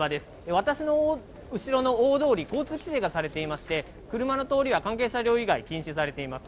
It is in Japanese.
私の後ろの大通り、交通規制がされていまして、車の通りは関係車両以外禁止されています。